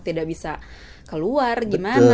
tidak bisa keluar gimana